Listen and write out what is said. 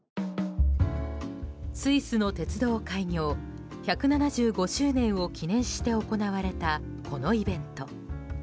スイスの鉄道開業１７５周年を記念して行われた、このイベント。